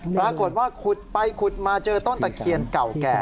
ปรากฏว่าขุดไปขุดมาเจอต้นตะเคียนเก่าแก่